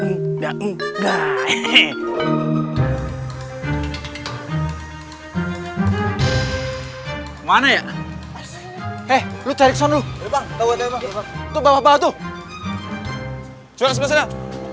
mana ya eh lu terkesan tuh tuh tuh